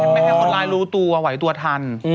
อ๋อไม่ให้คนรายรู้ตัวไวตัวทันอืม